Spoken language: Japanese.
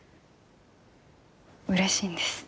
うれしいんです